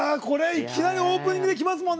いきなりオープニングできますもんね。